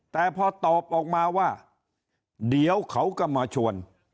แต่พอตอบออกมาว่าเดี๋ยวเขาก็มาชวน